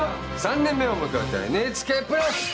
３年目を迎えたＮＨＫプラス！